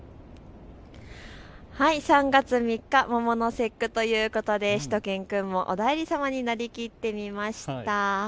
３月３日、桃の節句ということでしゅと犬くんもお内裏様になりきってみました。